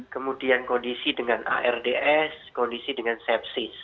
kemudian kondisi dengan ards kondisi dengan sepsis